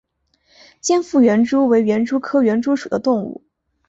尖腹园蛛为园蛛科园蛛属的动物。